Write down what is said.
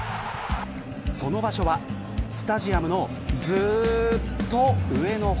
その場所はスタジアムのずっと上の方。